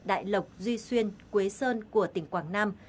đại lộc duy xuyên quế sơn của tỉnh quảng nam